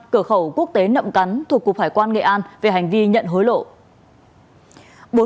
cửa khẩu quốc tế nậm cắn thuộc cục hải quan nghệ an về hành vi nhận hối lộ